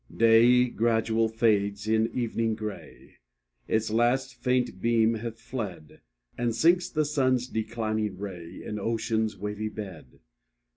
Day gradual fades, in evening gray, Its last faint beam hath fled, And sinks the sun's declining ray In ocean's wavy bed.